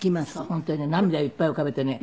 本当にね涙いっぱい浮かべてね